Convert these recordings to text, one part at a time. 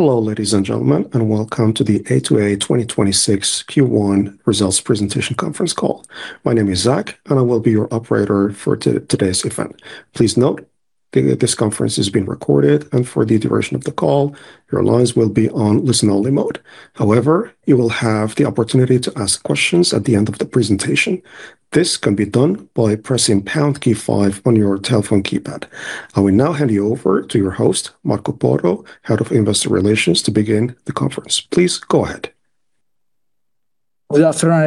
Hello, ladies and gentlemen, and welcome to the A2A 2026 Q1 results presentation conference call. My name is Zach, and I will be your operator for today's event. Please note, this conference is being recorded, and for the duration of the call, your lines will be on listen-only mode. However, you will have the opportunity to ask questions at the end of the presentation. This can be done by pressing pound key five on your telephone keypad. I will now hand you over to your host, Marco Porro, Head of Investor Relations, to begin the conference. Please go ahead. Good afternoon,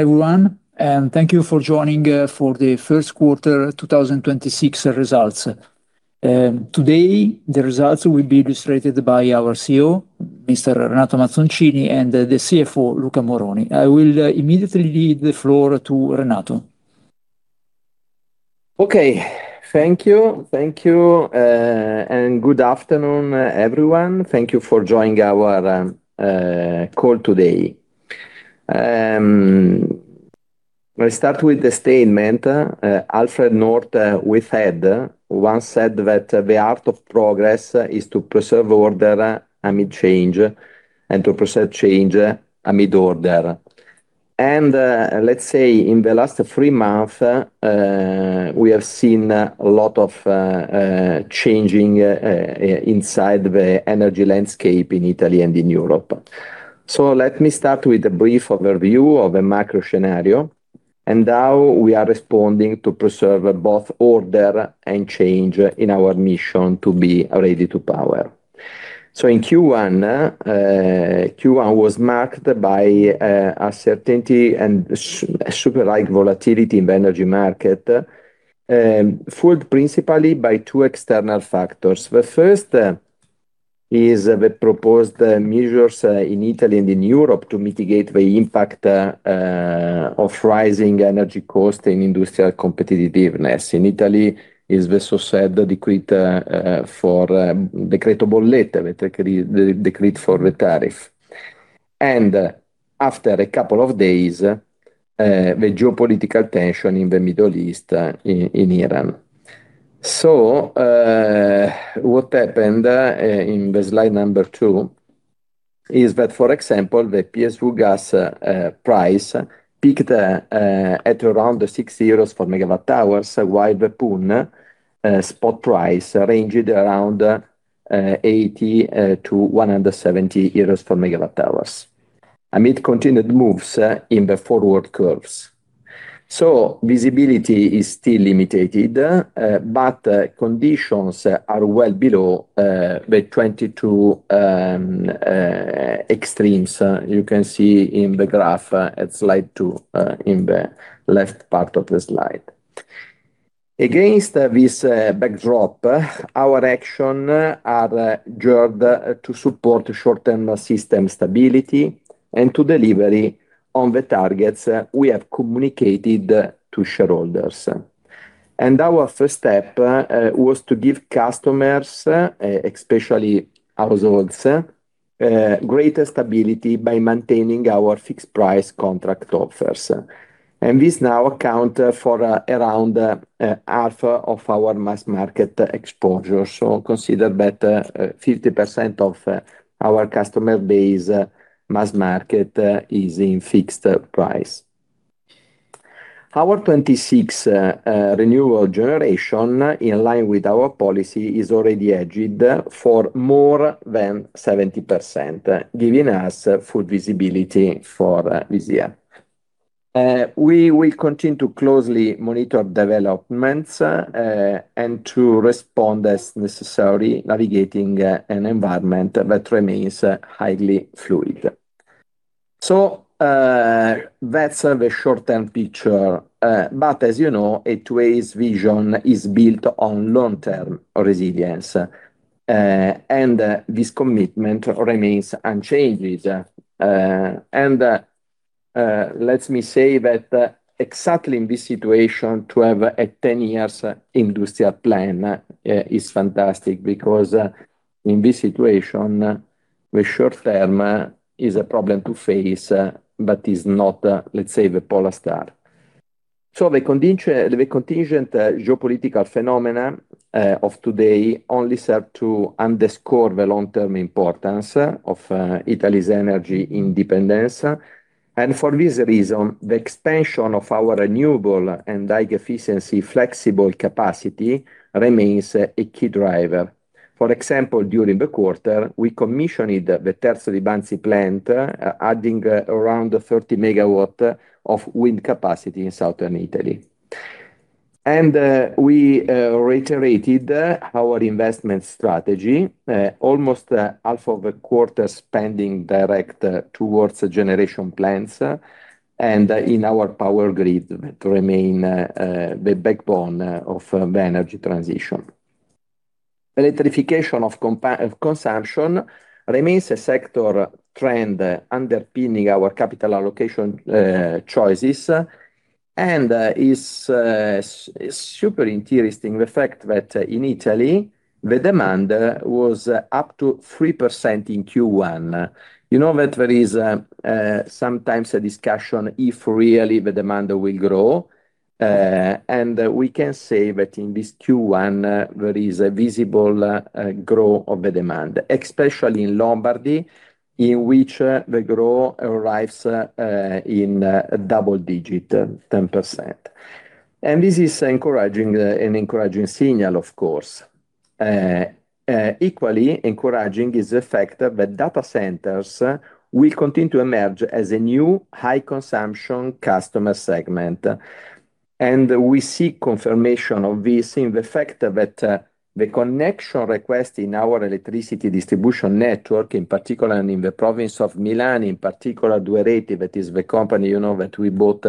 everyone, thank you for joining for the first quarter 2026 results. Today the results will be illustrated by our CEO, Mr. Renato Mazzoncini, and the CFO, Luca Moroni. I will immediately yield the floor to Renato. Okay. Thank you. Thank you. Good afternoon, everyone. Thank you for joining our call today. I start with the statement Alfred North Whitehead once said that the art of progress is to preserve order amid change and to preserve change amid order. Let's say in the last three months, we have seen a lot of changing inside the energy landscape in Italy and in Europe. Let me start with a brief overview of the macro scenario and how we are responding to preserve both order and change in our mission to be ready to power. In Q1 was marked by a certainty and super high volatility in the energy market, fueled principally by two external factors. The first is the proposed measures in Italy and in Europe to mitigate the impact of rising energy costs and industrial competitiveness. In Italy is also said the decree for Decreto Bollette, the decree for the tariff. After a couple of days, the geopolitical tension in the Middle East in Iran. What happened in the slide number two is that, for example, the PSV gas price peaked at around the 6 euros per MWh, while the PUN spot price ranged around 80-170 euros per MWh amid continued moves in the forward curves. Visibility is still limited, but conditions are well below the 22 extremes. You can see in the graph at slide two, in the left part of the slide. Against this backdrop, our action are geared to support short-term system stability and to deliver on the targets we have communicated to shareholders. Our first step was to give customers, especially households, greater stability by maintaining our fixed price contract offers. This now account for around half of our mass market exposure. Consider that 50% of our customer base mass market is in fixed price. Our 26 renewable generation, in line with our policy, is already hedged for more than 70%, giving us full visibility for this year. We will continue to closely monitor developments and to respond as necessary, navigating an environment that remains highly fluid. That's the short-term picture. As you know, A2A's vision is built on long-term resilience, and this commitment remains unchanged. Let me say that exactly in this situation, to have a 10 years industrial plan, is fantastic because in this situation, the short term is a problem to face, but is not, let's say, the polar star. The contingent, the contingent geopolitical phenomena of today only serve to underscore the long-term importance of Italy's energy independence. For this reason, the expansion of our renewable and high-efficiency flexible capacity remains a key driver. For example, during the quarter, we commissioned the Terzo Ribansi plant, adding around 30 MW of wind capacity in southern Italy. We reiterated our investment strategy, almost half of the quarter spending direct towards generation plants and in our power grid that remain the backbone of the energy transition. Electrification of consumption remains a sector trend underpinning our capital allocation choices and is super interesting, the fact that in Italy the demand was up to 3% in Q1. You know that there is sometimes a discussion if really the demand will grow. We can say that in this Q1 there is a visible growth of the demand, especially in Lombardy, in which the growth arrives in double digit, 10%. This is encouraging, an encouraging signal, of course. Equally encouraging is the fact that data centers will continue to emerge as a new high consumption customer segment. We see confirmation of this in the fact that the connection request in our electricity distribution network, in particular in the province of Milan, in particular Duereti, that is the company, you know, that we bought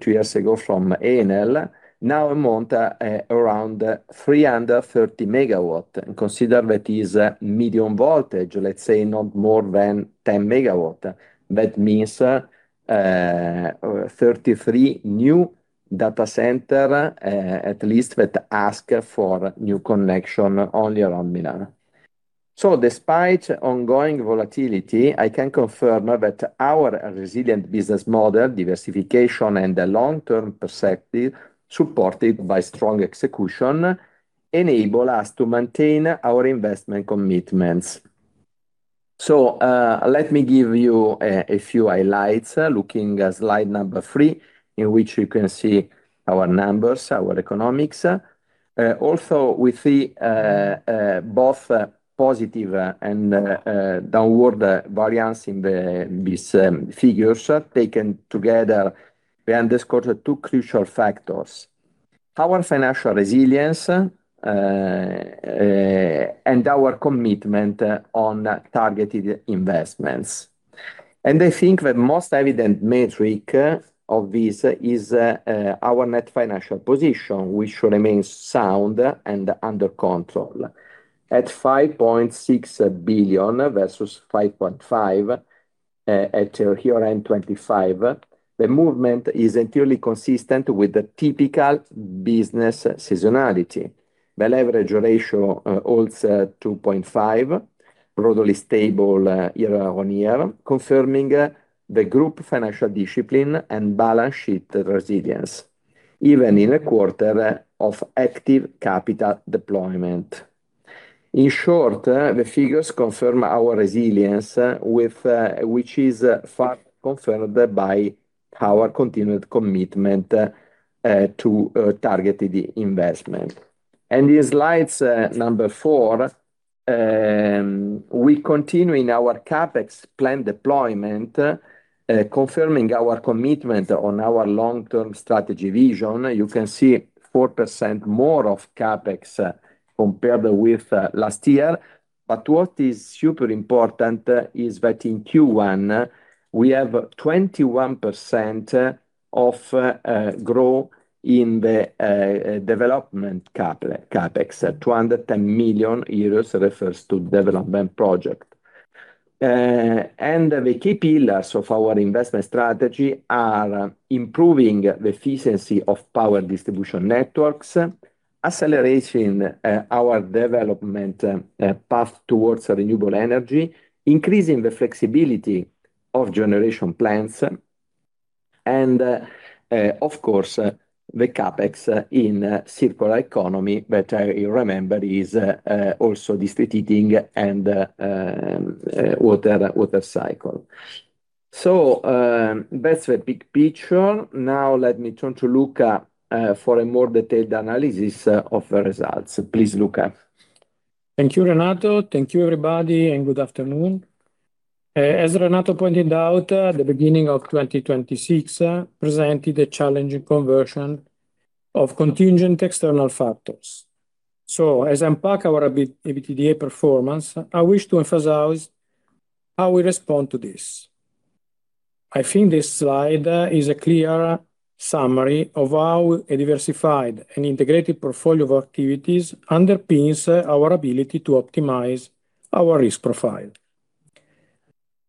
two years ago from Enel, now amount around 330 MW. Consider that is a medium voltage, let's say not more than 10 MW. That means 33 new data center at least that ask for new connection only around Milan. Despite ongoing volatility, I can confirm that our resilient business model, diversification and the long-term perspective, supported by strong execution, enable us to maintain our investment commitments. Let me give you a few highlights, looking at slide number three, in which you can see our numbers, our economics. Also we see both positive and downward variance in these figures. Taken together, we underscore the two crucial factors: our financial resilience and our commitment on targeted investments. I think the most evident metric of this is our net financial position, which remains sound and under control. At 5.6 billion versus 5.5 billion at year end 2025, the movement is entirely consistent with the typical business seasonality. The leverage ratio holds at 2.5, broadly stable year-over-year, confirming the group financial discipline and balance sheet resilience, even in a quarter of active capital deployment. The figures confirm our resilience, which is far confirmed by our continued commitment to targeted investment. In slide number four, we continue in our CapEx plan deployment, confirming our commitment on our long-term strategy vision. You can see 4% more of CapEx compared with last year. What is super important is that in Q1, we have 21% of growth in the development CapEx. 210 million euros refers to development project. The key pillars of our investment strategy are improving the efficiency of power distribution networks, accelerating our development path towards renewable energy, increasing the flexibility of generation plans and, of course, the CapEx in circular economy that I remember is also district heating and water cycle. That's the big picture. Let me turn to Luca for a more detailed analysis of the results. Please, Luca. Thank you, Renato. Thank you, everybody, and good afternoon. As Renato pointed out, the beginning of 2026 presented a challenging conversion of contingent external factors. As unpack our EBITDA performance, I wish to emphasize how we respond to this. I think this slide is a clear summary of how a diversified and integrated portfolio of activities underpins our ability to optimize our risk profile.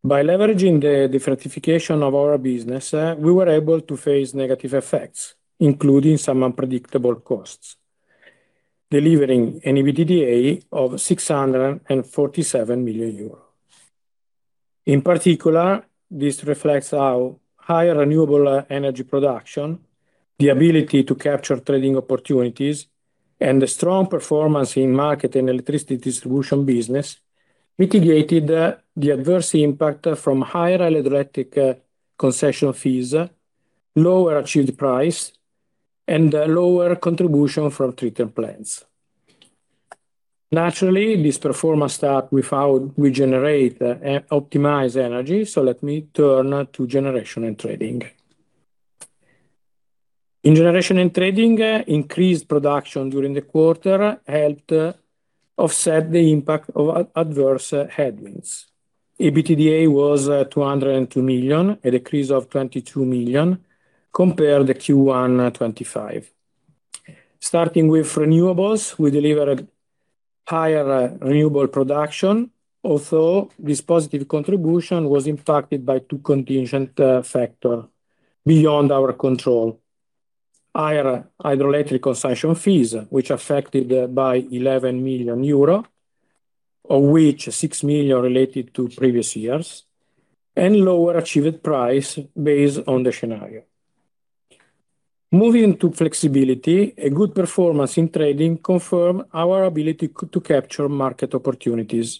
By leveraging the diversification of our business, we were able to face negative effects, including some unpredictable costs, delivering an EBITDA of 647 million euros. In particular, this reflects our higher renewable energy production, the ability to capture trading opportunities and the strong performance in market and electricity distribution business mitigated the adverse impact from higher electric concession fees, lower achieved price and lower contribution from [treated] plants. Naturally, this performance start without we generate optimized energy, so let me turn to generation and trading. In generation and trading, increased production during the quarter helped offset the impact of adverse headwinds. EBITDA was 202 million, a decrease of 22 million compared to Q1 2025. Starting with renewables, we delivered higher renewable production. This positive contribution was impacted by two contingent factor beyond our control. Higher hydroelectric concession fees, which affected by 11 million euro. Of which 6 million are related to previous years and lower achieved price based on the scenario. Moving to flexibility, a good performance in trading confirm our ability to capture market opportunities.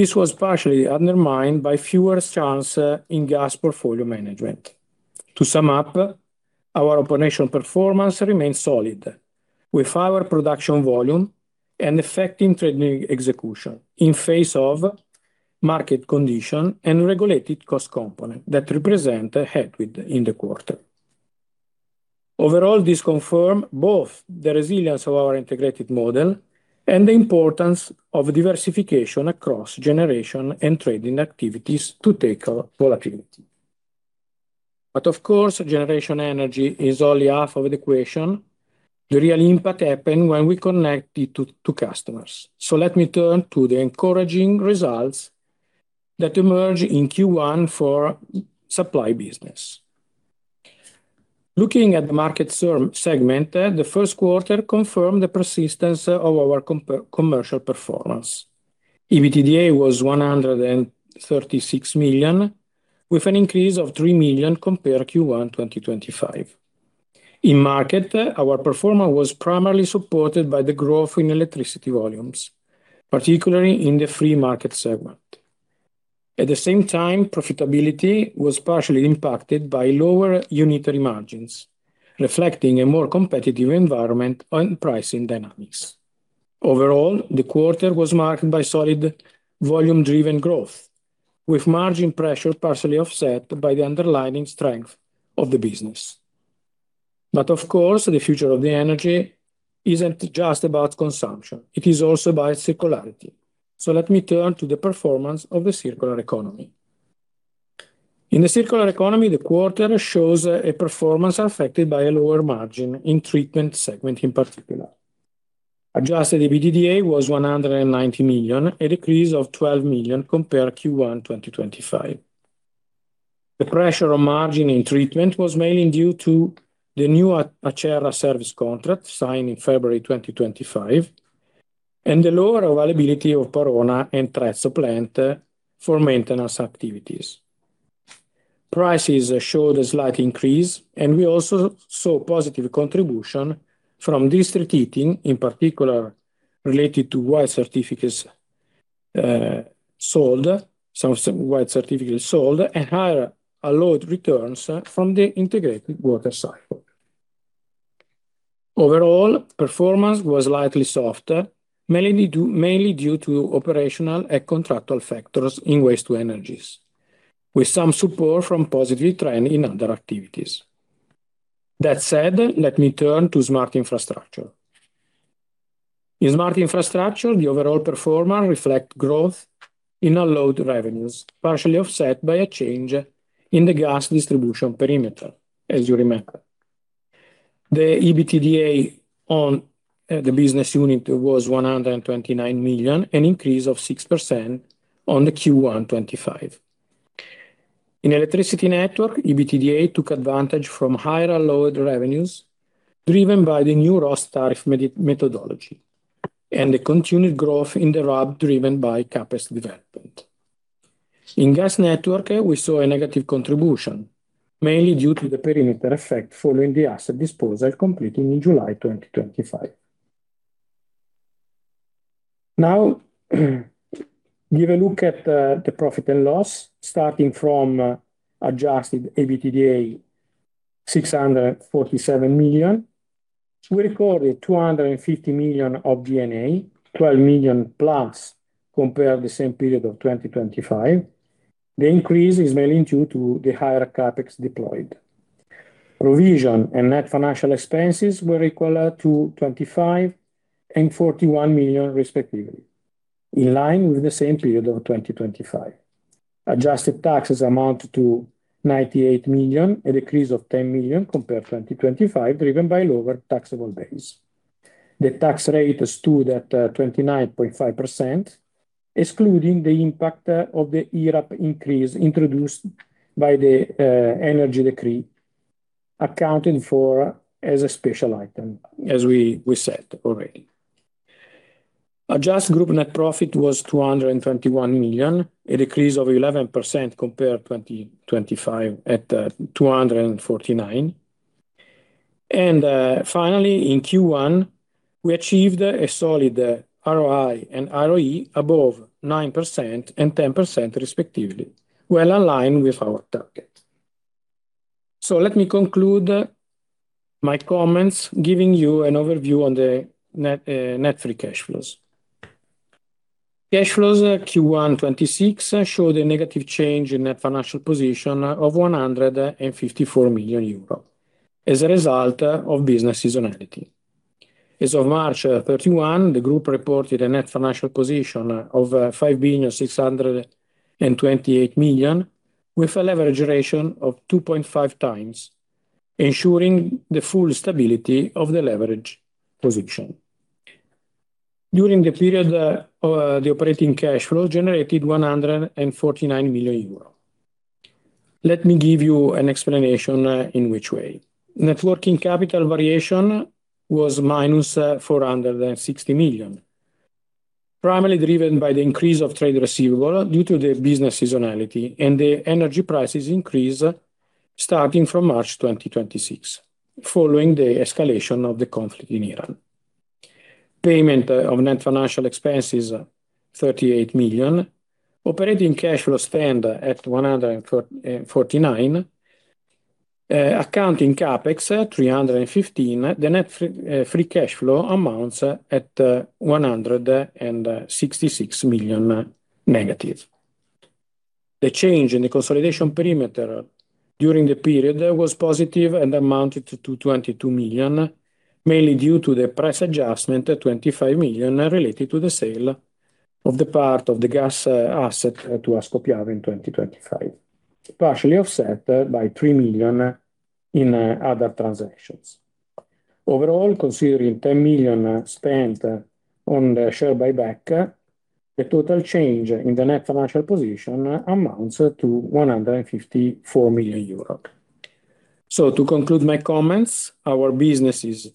This was partially undermined by fewer chance in gas portfolio management. To sum up, our operational performance remains solid with our production volume and effective trading execution in face of market condition and regulated cost component that represent a headwind in the quarter. Overall, this confirm both the resilience of our integrated model and the importance of diversification across generation and trading activities to take volatility. Of course, generation energy is only half of the equation. The real impact happen when we connect it to customers. Let me turn to the encouraging results that emerge in Q1 for supply business. Looking at the market segment, the first quarter confirmed the persistence of our commercial performance. EBITDA was 136 million, with an increase of 3 million compared to Q1 2025. In market, our performance was primarily supported by the growth in electricity volumes, particularly in the free market segment. At the same time, profitability was partially impacted by lower unitary margins, reflecting a more competitive environment on pricing dynamics. Overall, the quarter was marked by solid volume-driven growth, with margin pressure partially offset by the underlying strength of the business. Of course, the future of the energy isn't just about consumption, it is also about circularity. Let me turn to the performance of the circular economy. In the circular economy, the quarter shows a performance affected by a lower margin in treatment segment in particular. Adjusted EBITDA was 190 million, a decrease of 12 million compared to Q1 2025. The pressure on margin in treatment was mainly due to the new Acerra service contract signed in February 2025, and the lower availability of Parona and Trezzo plant for maintenance activities. Prices showed a slight increase. We also saw positive contribution from district heating, in particular related to white certificates sold and higher allowed returns from the integrated water cycle. Overall, performance was slightly softer, mainly due to operational and contractual factors in waste-to-energy, with some support from positive trend in other activities. That said, let me turn to smart infrastructure. In smart infrastructure, the overall performance reflect growth in load revenues, partially offset by a change in the gas distribution perimeter, as you remember. The EBITDA on the business unit was 129 million, an increase of 6% on the Q1 2025. In electricity network, EBITDA took advantage from higher load revenues, driven by the new ROSS tariff methodology and the continued growth in the RAB driven by CapEx development. In gas network, we saw a negative contribution, mainly due to the perimeter effect following the asset disposal completed in July 2025. Give a look at the profit and loss, starting from adjusted EBITDA, 647 million. We recorded 250 million of G&A, 12 million plus compared the same period of 2025. The increase is mainly due to the higher CapEx deployed. Provision and net financial expenses were equal to 25 million and 41 million respectively, in line with the same period of 2025. Adjusted taxes amount to 98 million, a decrease of 10 million compared to 2025, driven by lower taxable base. The tax rate stood at 29.5%, excluding the impact of the IRAP increase introduced energy decree, accounting for as a special item, as we said already. Adjusted group net profit was 221 million, a decrease of 11% compared to 2025 at 249 million. Finally, in Q1, we achieved a solid ROI and ROE above 9% and 10% respectively. Well aligned with our target. Let me conclude my comments giving you an overview on the net net free cash flows. Cash flows Q1 2026 show the negative change in net financial position of 154 million euro as a result of business seasonality. As of March 31, the group reported a net financial position of 5.628 billion, with a leverage ratio of 2.5x, ensuring the full stability of the leverage position. During the period, the operating cash flow generated 149 million euro. Let me give you an explanation, in which way. Net working capital variation was -460 million. Primarily driven by the increase of trade receivable due to the business seasonality and the energy prices increase starting from March 2026 following the escalation of the conflict in Iran. Payment of net financial expenses, 38 million. Operating cash flow spend at 149 million. Accounting CapEx, 315 million. The net free cash flow amounts at -166 million. The change in the consolidation perimeter during the period was positive and amounted to 22 million, mainly due to the price adjustment, 25 million, related to the sale of the part of the gas asset to Ascopiave in 2025. Partially offset by 3 million in other transactions. Overall, considering 10 million spent on the share buyback, the total change in the net financial position amounts to 154 million euros. To conclude my comments, our businesses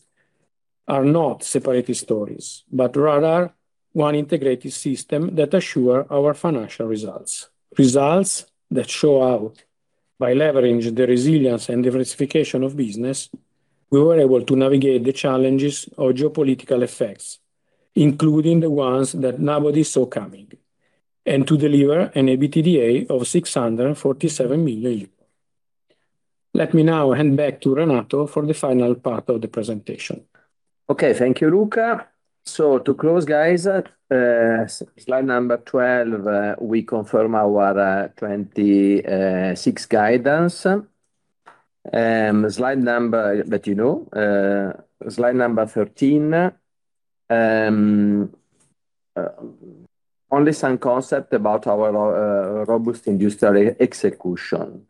are not separate stories, but rather one integrated system that ensure our financial results. Results that show how by leveraging the resilience and diversification of business, we were able to navigate the challenges of geopolitical effects, including the ones that nobody saw coming, and to deliver an EBITDA of 647 million euros. Let me now hand back to Renato for the final part of the presentation. Okay. Thank you, Luca. To close, guys, slide number 12, we confirm our 2026 guidance. You know. Slide number 13, only some concept about our robust industrial execution.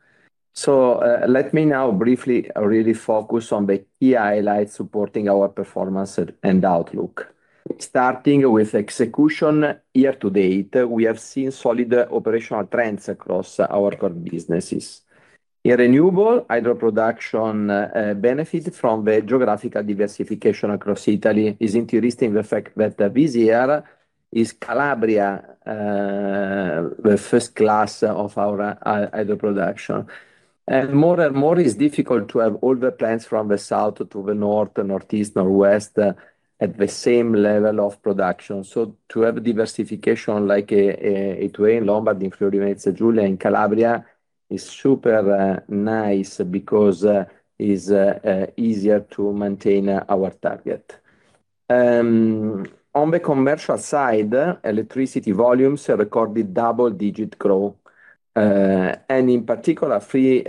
Let me now briefly really focus on the key highlights supporting our performance and outlook. Starting with execution. Year to date, we have seen solid operational trends across our core businesses. In renewable, hydro production benefits from the geographical diversification across Italy. Is interesting the fact that this year is Calabria, the first class of our hydro production. More and more is difficult to have all the plants from the south to the north, northeast, northwest at the same level of production. To have diversification like it were in Lombardy, in Friuli-Venezia Giulia, in Calabria is super nice because is easier to maintain our target. On the commercial side, electricity volumes recorded double-digit growth. In particular, free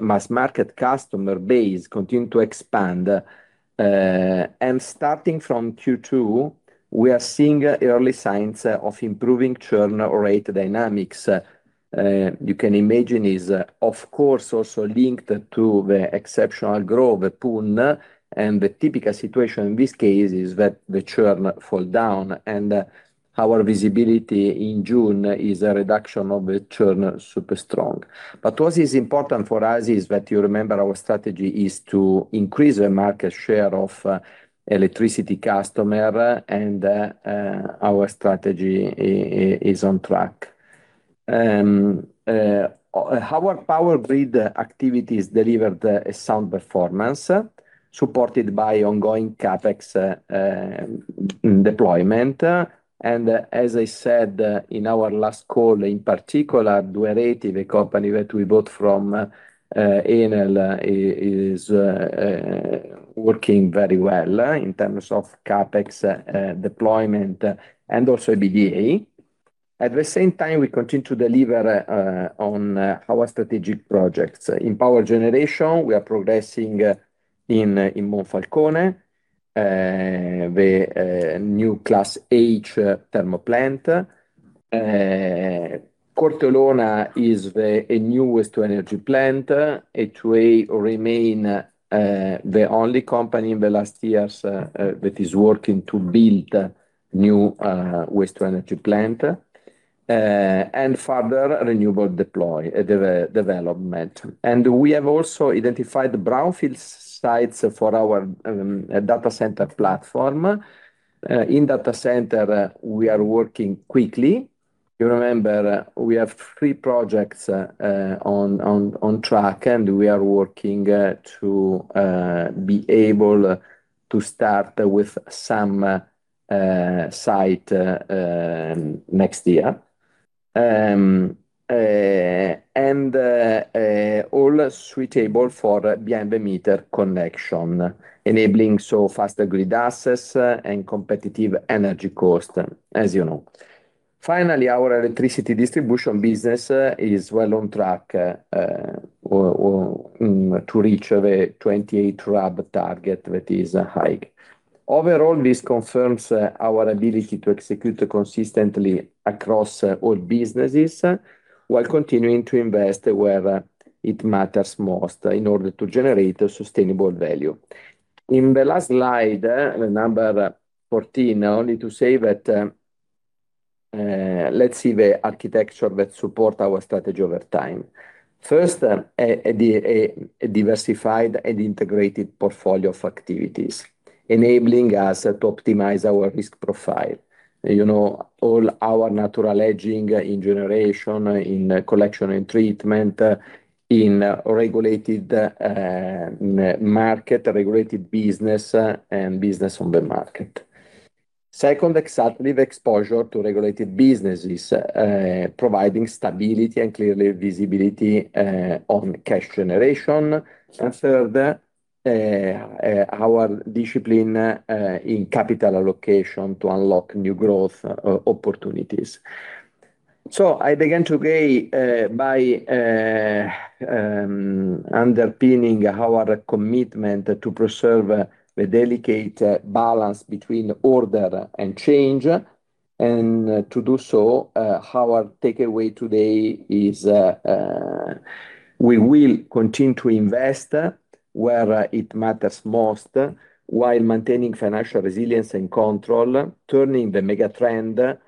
mass market customer base continued to expand. Starting from Q2, we are seeing early signs of improving churn rate dynamics. You can imagine is of course also linked to the exceptional growth PUN. The typical situation in this case is that the churn fall down and our visibility in June is a reduction of the churn super strong. What is important for us is that you remember our strategy is to increase the market share of electricity customer and our strategy is on track. Our power grid activities delivered a sound performance supported by ongoing CapEx deployment. As I said, in our last call, in particular, Duereti, the company that we bought from Enel, is working very well in terms of CapEx deployment, and also EBITDA. At the same time, we continue to deliver on our strategic projects. In power generation, we are progressing in Monfalcone, the new Class H thermal plant. Corteolona is a new waste to energy plant. A2A remain the only company in the last years that is working to build new waste to energy plant. Further renewable development. We have also identified brownfield sites for our data center platform. In data center, we are working quickly. You remember we have three projects on track, and we are working to be able to start with some site next year. All suitable for behind the meter connection, enabling fast grid access and competitive energy cost, as you know. Finally, our electricity distribution business is well on track or to reach the 28 RAB target that is high. Overall, this confirms our ability to execute consistently across all businesses while continuing to invest where it matters most in order to generate a sustainable value. In the last slide, number 14, only to say that, let's see the architecture that support our strategy over time. First, a diversified and integrated portfolio of activities, enabling us to optimize our risk profile. You know, all our natural hedging in generation, in collection and treatment, in regulated business and business on the market. Exactly the exposure to regulated businesses, providing stability and clearly visibility on cash generation. Our discipline in capital allocation to unlock new growth opportunities. I began today by underpinning our commitment to preserve the delicate balance between order and change. To do so, our takeaway today is, we will continue to invest where it matters most while maintaining financial resilience and control, turning the megatrend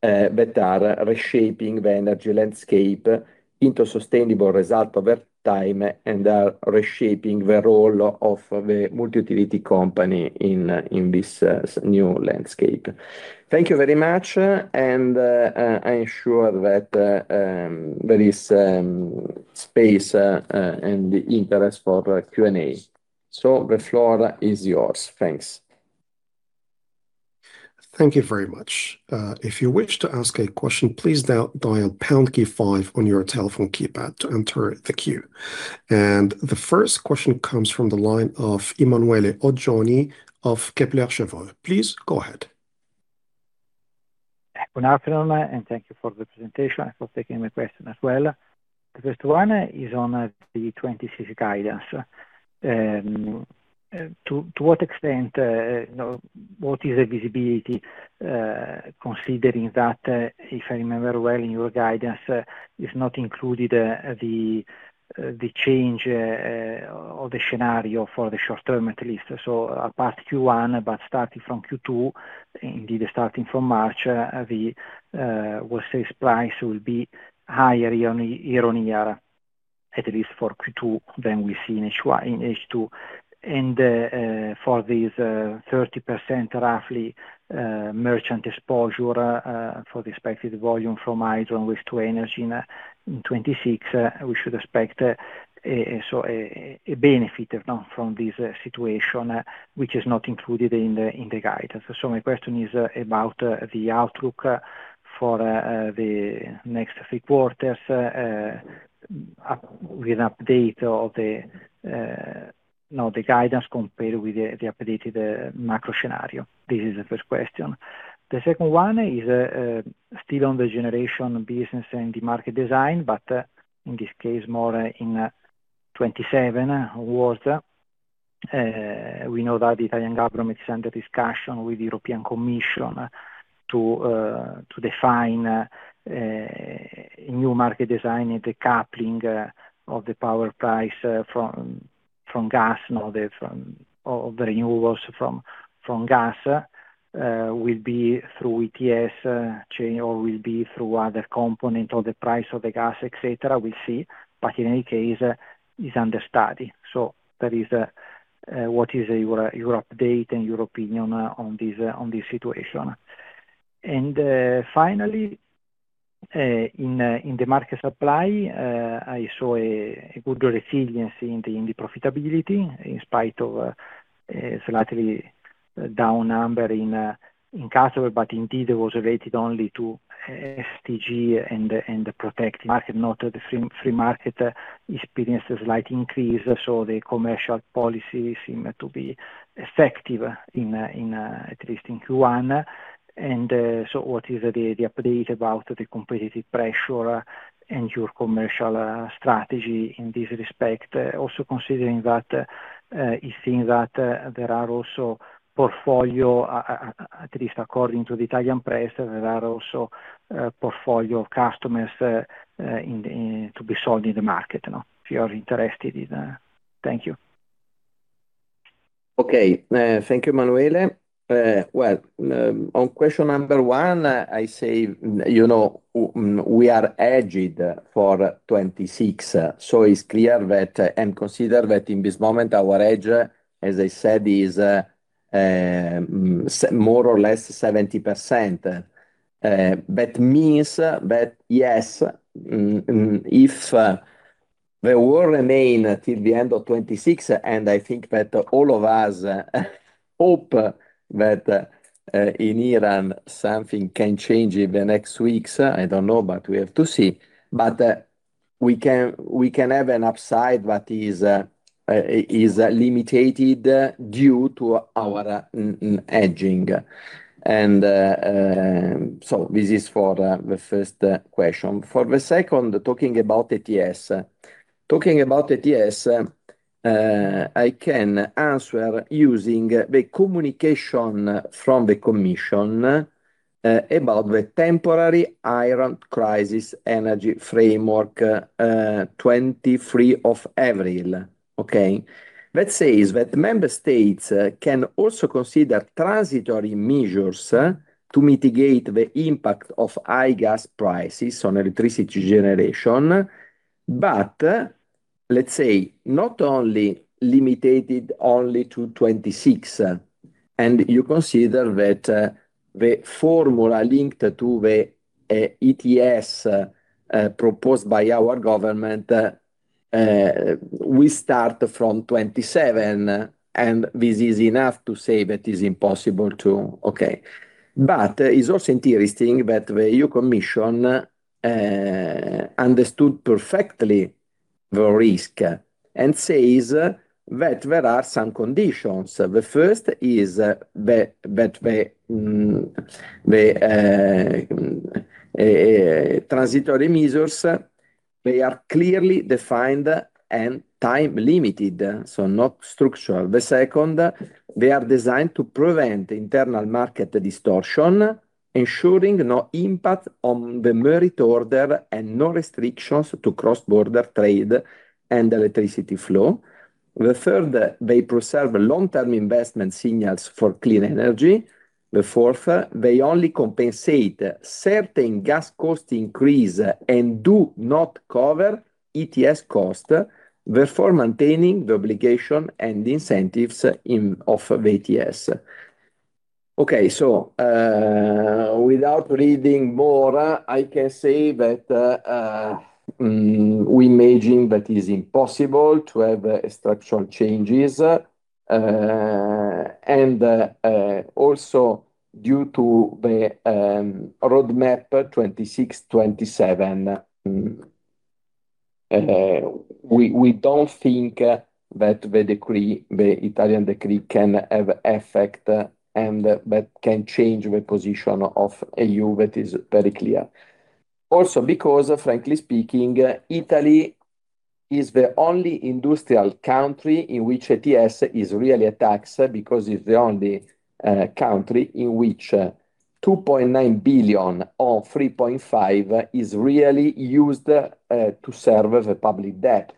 that are reshaping the energy landscape into sustainable result over time and are reshaping the role of the multi-utility company in this new landscape. Thank you very much. I ensure that there is space and interest for Q&A. The floor is yours. Thanks. Thank you very much. The first question comes from the line of Emanuele Oggioni of Kepler Cheuvreux. Please go ahead. Good afternoon, thank you for the presentation and for taking my question as well. The first one is on the 2026 guidance. To what extent, you know, what is the visibility, considering that, if I remember well, your guidance is not included, the change of the scenario for the short term at least. Apart Q1, but starting from Q2, indeed starting from March, the we'll say price will be higher year on year, at least for Q2 than we see in H2. For this 30% roughly merchant exposure, for the expected volume from [Hyzon] waste-to-energy in 2026, we should expect a benefit, you know, from this situation, which is not included in the guidance. My question is about the outlook for the next three quarters, with an update of the, you know, the guidance compared with the updated macro scenario. This is the first question. The second one is still on the generation business and the market design, but in this case more in 2027 onwards. We know that the Italian government is under discussion with European Commission to define a new market design and the coupling of the power price from gas, you know, the renewables from gas, will be through ETS chain or will be through other component of the price of the gas, et cetera. We'll see. In any case, it's under study. That is what is your update and your opinion on this, on this situation. Finally, in the market supply, I saw a good resiliency in the profitability in spite of slightly down number in customer, but indeed it was related only to STG and the protected market. Note that the free market experienced a slight increase, the commercial policy seem to be effective at least in Q1. What is the update about the competitive pressure and your commercial strategy in this respect? Also considering that it seems that there are also portfolio, at least according to the Italian press, there are also a portfolio of customers to be sold in the market, you know, if you are interested in that. Thank you. Okay. Thank you, Emanuele. Well, on question number one, I say, you know, we are hedged for 2026. It's clear that, and consider that in this moment our hedge, as I said, is more or less 70%. That means that, yes, if the war remain till the end of 2026, and I think that all of us hope that in Iran something can change in the next weeks. I don't know, but we have to see. We can, we can have an upside that is limited due to our edging. This is for the first question. For the second, talking about ETS. Talking about ETS, I can answer using the communication from the commission about the temporary Iran crisis energy framework, 23 of April. Okay? Let's say is that member states can also consider transitory measures to mitigate the impact of high gas prices on electricity generation. Let's say, not only limited only to 2026, and you consider that the formula linked to the ETS proposed by our government, we start from 2027, and this is enough to say that is impossible to. Okay. It's also interesting that the European Commission understood perfectly the risk and says that there are some conditions. The first is that the transitory measures, they are clearly defined and time-limited, so not structural. The second, they are designed to prevent internal market distortion, ensuring no impact on the merit order and no restrictions to cross-border trade and electricity flow. The third, they preserve long-term investment signals for clean energy. The fourth, they only compensate certain gas cost increase and do not cover ETS cost, therefore maintaining the obligation and the incentives of ETS. Okay, without reading more, I can say that we imagine that is impossible to have structural changes. Also due to the roadmap 2026, 2027, we don't think that the decree, the Italian decree can have effect and that can change the position of EU. That is very clear. Also because, frankly speaking, Italy is the only industrial country in which ETS is really a tax because it is the only country in which 2.9 billion or 3.5 billion is really used to serve the public debt.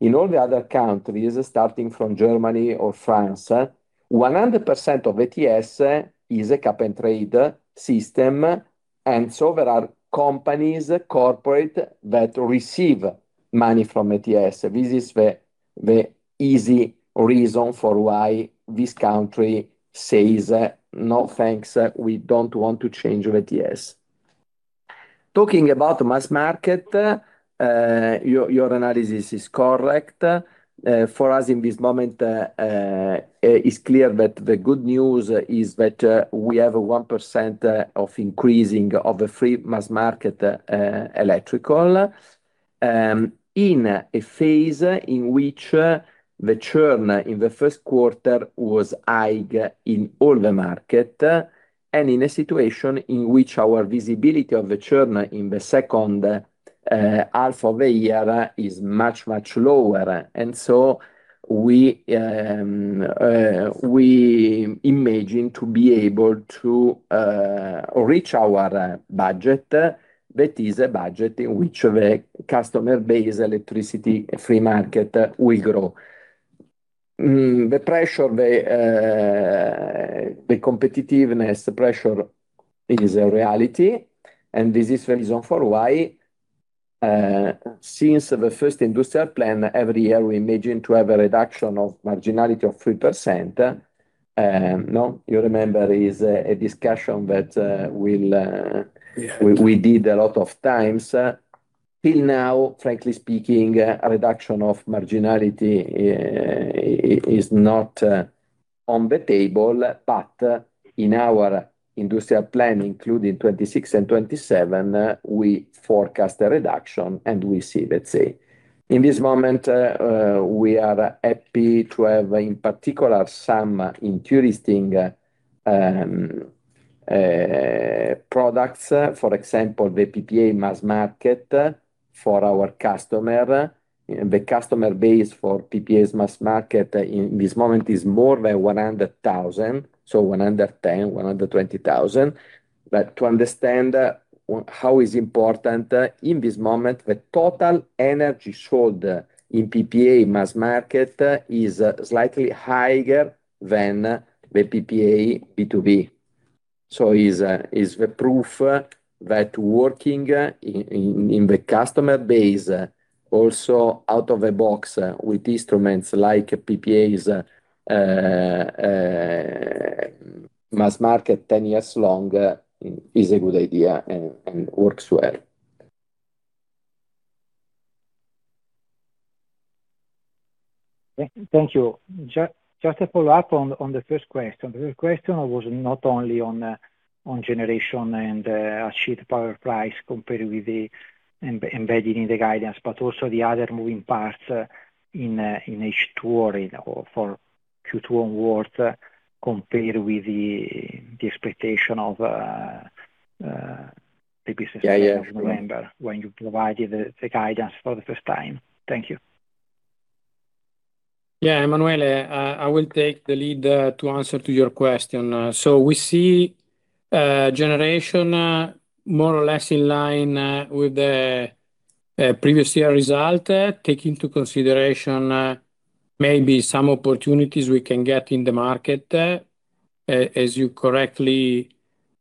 In all the other countries, starting from Germany or France, 100% of ETS is a cap and trade system, there are companies, corporate, that receive money from ETS. This is the easy reason for why this country says, "No, thanks. We don't want to change the ETS." Talking about mass market, your analysis is correct. For us in this moment, it is clear that the good news is that we have 1% of increasing of the free mass market electrical in a phase in which the churn in the first quarter was high in all the market, and in a situation in which our visibility of the churn in the second half of the year is much lower. We imagine to be able to reach our budget. That is a budget in which the customer base electricity free market will grow. The pressure, the competitiveness pressure is a reality, and this is reason for why since the first industrial plan, every year we imagine to have a reduction of marginality of 3%. No, you remember is a discussion that we'll. Yeah. we did a lot of times. Till now, frankly speaking, a reduction of marginality is not on the table. In our industrial plan, including 2026 and 2027, we forecast a reduction, and we see, let's say. In this moment, we are happy to have, in particular, some interesting products. For example, the PPA mass market for our customer. The customer base for PPAs mass market in this moment is more than 100,000, so 110,000, 120,000. To understand how is important, in this moment, the total energy sold in PPA mass market is slightly higher than the PPA B2B. Is the proof that working in the customer base, also out of the box with instruments like PPAs mass market 10 years long is a good idea and works well. Thank you. Just a follow-up on the first question. The first question was not only on generation and spot power price compared with the embedding the guidance, but also the other moving parts in H2 or for Q2 onwards compared with the expectation of the business. Yeah, yeah. As you remember when you provided the guidance for the first time. Thank you. Yeah, Emanuele, I will take the lead to answer to your question. We see generation more or less in line with the previous year result. Take into consideration maybe some opportunities we can get in the market. As you correctly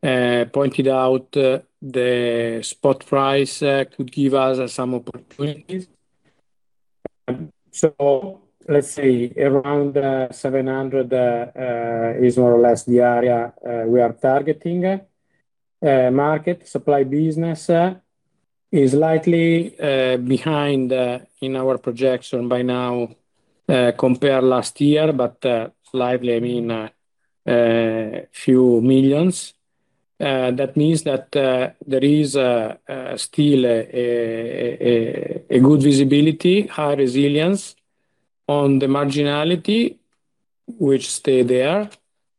pointed out, the spot price could give us some opportunities. Let's see, around 700 million is more or less the area we are targeting. Market supply business is slightly behind in our projection by now, compare last year, but slightly I mean, a few millions. That means that there is still a good visibility, high resilience on the marginality which stay there,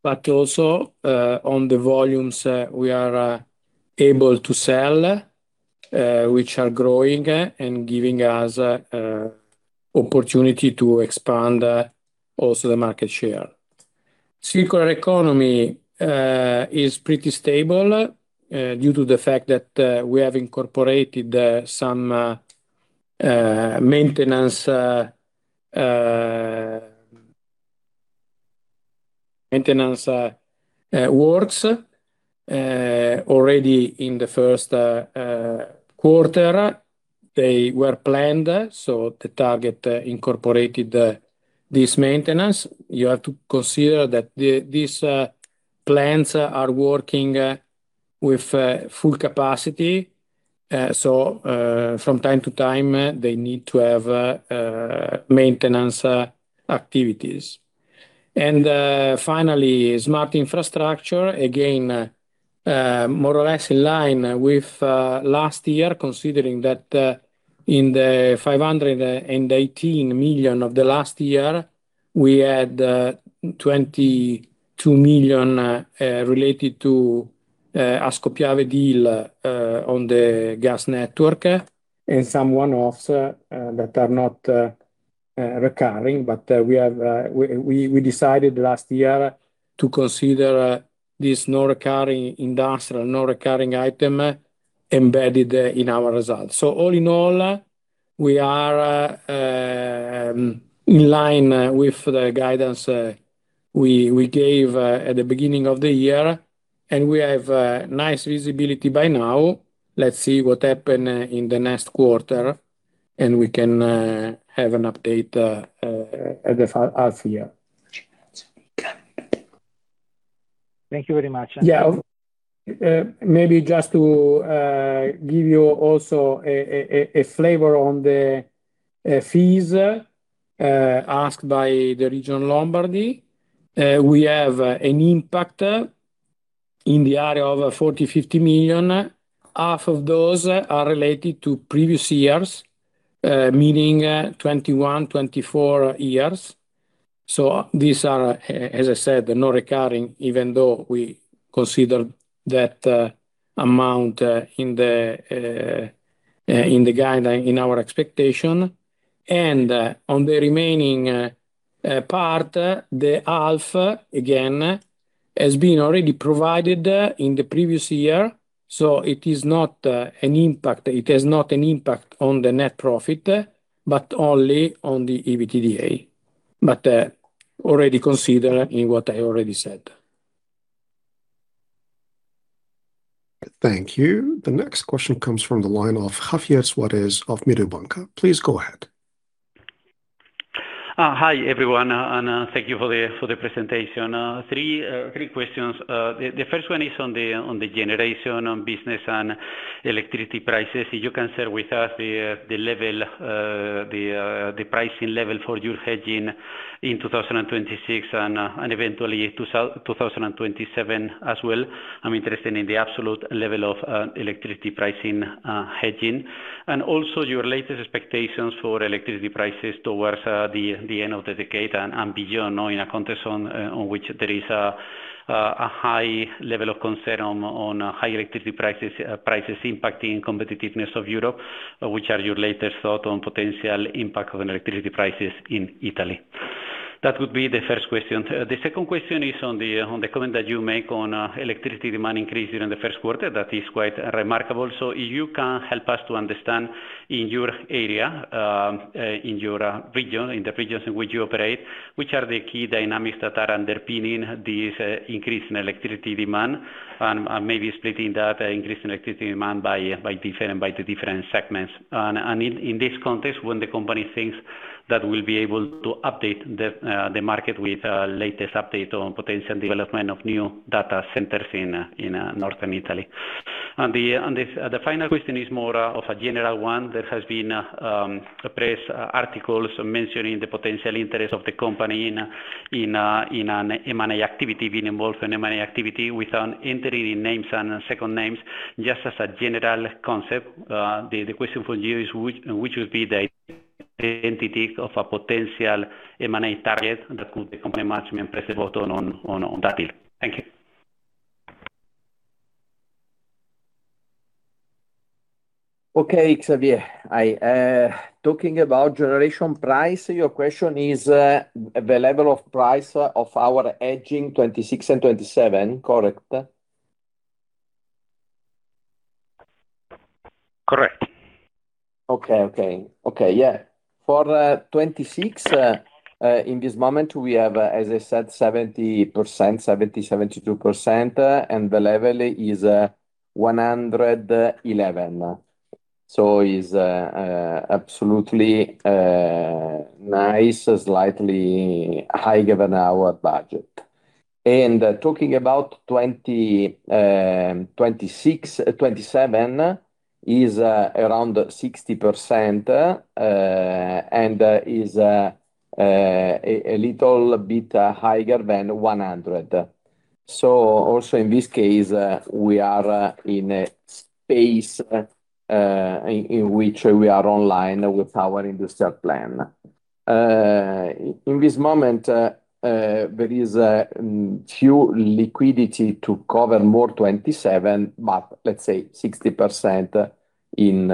but also on the volumes we are able to sell, which are growing and giving us opportunity to expand also the market share. [Circular] economy, is pretty stable, due to the fact that, we have incorporated some maintenance works already in the first quarter. They were planned, so the target incorporated this maintenance. You have to consider that these plants are working with full capacity. From time to time, they need to have maintenance activities. Finally, smart infrastructure, again, more or less in line with last year, considering that in the 518 million of the last year, we had 22 million related to Ascopiave deal on the gas network, and some one-offs that are not recurring. We have, we decided last year to consider this non-recurring industrial, non-recurring item embedded in our results. All in all, we are in line with the guidance we gave at the beginning of the year, and we have nice visibility by now. Let's see what happen in the next quarter, and we can have an update at the half year. Thank you very much. Yeah. Maybe just to give you also a flavor on the fees asked by the region Lombardy. We have an impact in the area of 40 million-50 million. Half of those are related to previous years, meaning 2021-2024 years. These are, as I said, they're non-recurring, even though we consider that amount in the guide and in our expectation. On the remaining part, the half, again, has been already provided in the previous year, so it is not an impact. It has not an impact on the net profit, but only on the EBITDA. Already consider in what I already said. Thank you. The next question comes from the line of Javier Suárez of Mediobanca. Please go ahead. Hi, everyone, and thank you for the presentation. Three questions. The first one is on the generation on business and electricity prices. If you can share with us the level, the pricing level for your hedging in 2026 and eventually 2027 as well. I'm interested in the absolute level of electricity pricing hedging. Also your latest expectations for electricity prices towards the end of the decade and beyond or in a context on which there is a high level of concern on high electricity prices impacting competitiveness of Europe. Which are your latest thought on potential impact of an electricity prices in Italy? That would be the first question. The second question is on the comment that you make on electricity demand increase during the first quarter. That is quite remarkable. If you can help us to understand in your area, in your region, in the regions in which you operate, which are the key dynamics that are underpinning this increase in electricity demand and maybe splitting that increase in electricity demand by different, by the different segments. In this context, when the company thinks that we'll be able to update the market with latest update on potential development of new data centers in Northern Italy. The final question is more of a general one. There has been a press articles mentioning the potential interest of the company in an M&A activity, being involved in M&A activity without entering in names and second names. Just as a general concept, the question for you is which would be the identity of a potential M&A target that could the company management press a button on that deal? Thank you. Okay, Javier. I, talking about generation price, your question is, the level of price of our hedging 2026 and 2027. Correct? Okay, okay. Okay, yeah. For 2026, in this moment we have, as I said, 70%, 72%, and the level is 111. Is absolutely nice, slightly higher than our budget. Talking about 2026, 2027 is around 60%, and is a little bit higher than 100. Also in this case, we are in a space in which we are online with our industrial plan. In this moment, there is few liquidity to cover more 2027, but let's say 60% in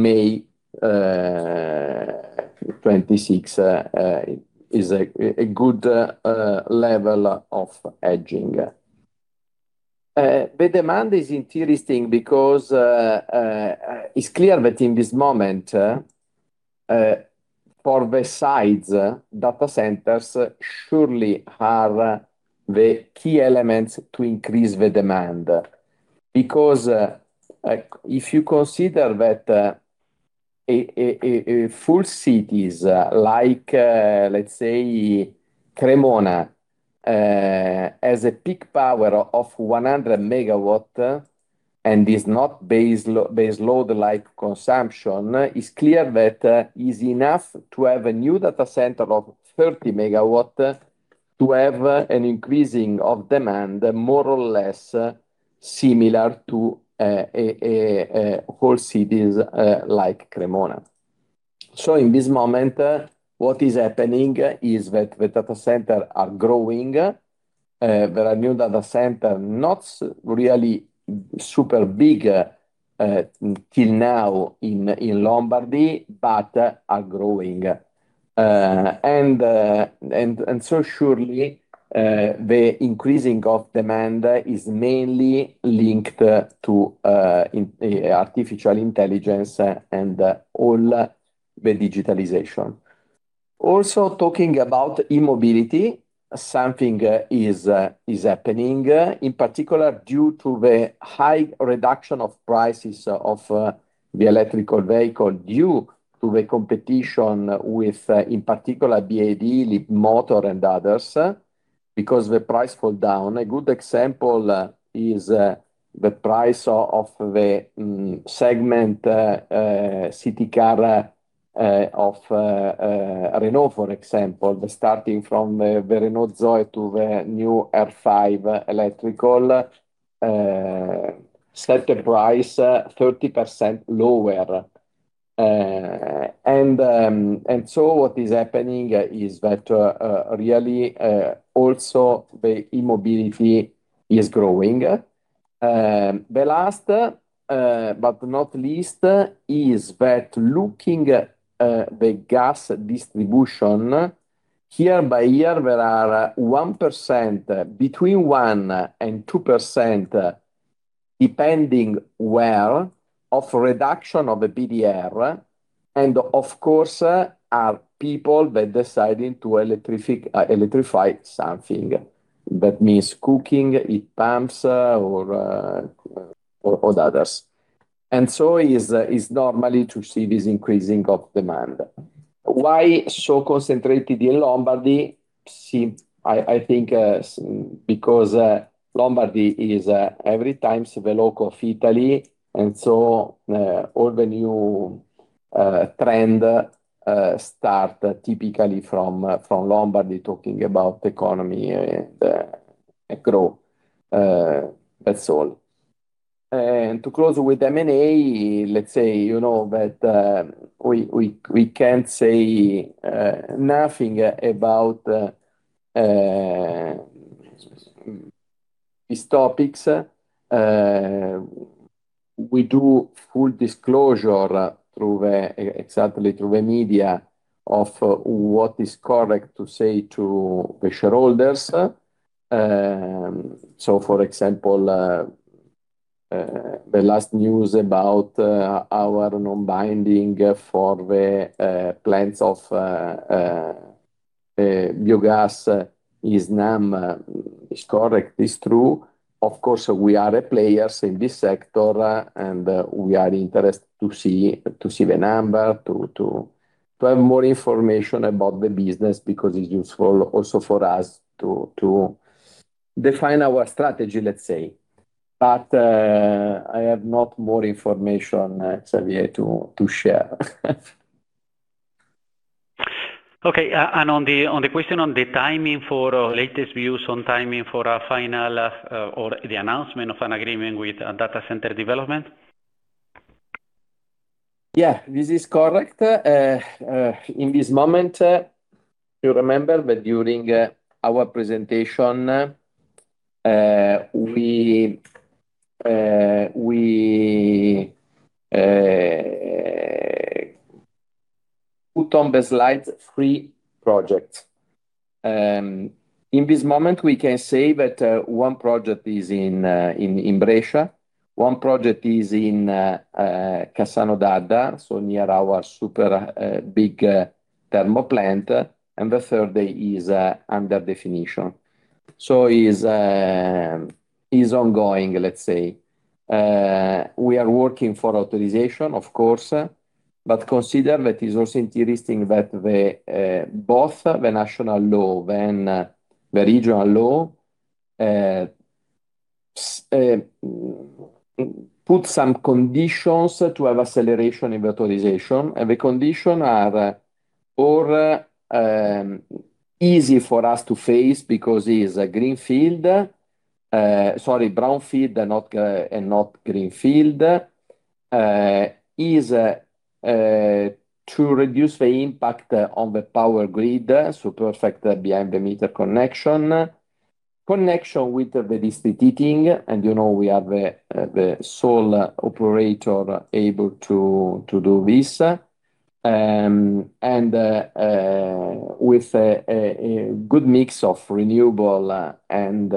May, 2026 is a good level of hedging. The demand is interesting because it's clear that in this moment, for the sides, data centers surely have the key elements to increase the demand. Because like if you consider that a full cities like let's say Cremona, as a peak power of 100 MW and is not base load like consumption, it's clear that is enough to have a new data center of 30 MW to have an increasing of demand more or less similar to a whole cities like Cremona. In this moment, what is happening is that the data center are growing. There are new data center, not really super big, till now in Lombardy, but are growing. Surely, the increasing of demand is mainly linked to artificial intelligence and all the digitalization. Also talking about e-mobility, something is happening in particular due to the high reduction of prices of the electrical vehicle due to the competition with in particular, BYD, Leapmotor and others, because the price fall down. A good example is the price of the segment city car of Renault, for example, the starting from the Renault Zoe to the new Renault 5 E-Tech set the price 30% lower. What is happening is that really also the e-mobility is growing. The last, but not least is that looking at the gas distribution year by year there are 1%, between 1% and 2%, depending where of reduction of the PDR and of course are people that deciding to electrify something. That means cooking, heat pumps or others. So is normally to see this increasing of demand. Why so concentrated in Lombardy? See, I think because Lombardy is every times the local of Italy so all the new trend start typically from Lombardy talking about the economy and grow. That's all. To close with M&A, let's say, you know, that we can't say nothing about these topics. We do full disclosure through the exactly through the media of what is correct to say to the shareholders. For example, the last news about our non-binding for the plans of biogas is correct, is true. Of course, we are a players in this sector, and we are interested to see the number, to have more information about the business because it's useful also for us to define our strategy, let's say. I have not more information, Javier, to share. Okay. On the question on the timing for latest views on timing for a final, or the announcement of an agreement with a data center development? This is correct. In this moment, you remember that during our presentation, we put on the slides three projects. In this moment, we can say that one project is in Brescia. one project is in Cassano d'Adda, so near our super big thermal plant. The third is under definition. Is ongoing, let's say. We are working for authorization, of course, consider that it's also interesting that both the national law and the regional law put some conditions to have acceleration in authorization. The condition are or easy for us to face because it's a greenfield. Sorry, brownfield and not greenfield. Is to reduce the impact on the power grid, so perfect behind the meter connection with the district heating, and you know we are the sole operator able to do this. With a good mix of renewable, and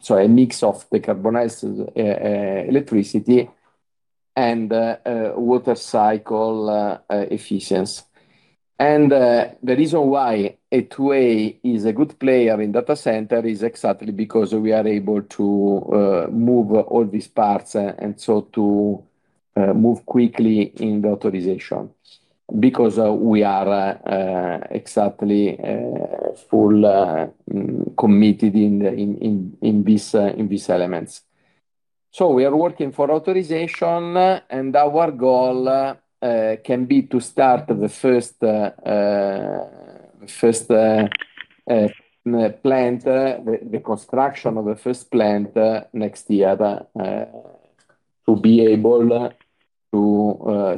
sorry, a mix of decarbonized electricity and water cycle efficiency. The reason why A2A is a good player in data center is exactly because we are able to move all these parts and so to move quickly in the authorization, because we are exactly full committed in these elements. We are working for authorization, and our goal can be to start the first plant, the construction of the first plant next year. The to be able to